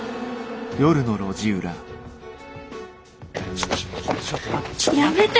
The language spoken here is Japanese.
ちょっちょっと待って。